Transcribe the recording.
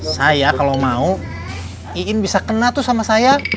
saya kalau mau iin bisa kena tuh sama saya